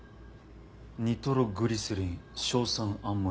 「ニトログリセリン」「硝酸アンモニウム」。